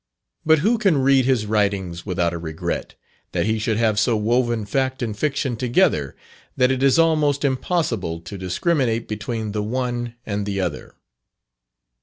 But who can read his writings without a regret, that he should have so woven fact and fiction together, that it is almost impossible to discriminate between the one and the other.